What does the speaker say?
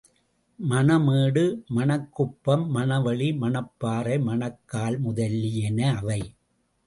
Manamedu, Manakkuppam, Manaveli, மணப் பாறை, மணக்கால் முதலியன அவை.